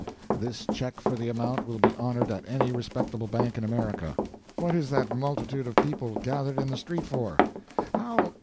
This check for the amount will be honored at any respectable bank in America. What is that multitude of people gathered in the street for? How?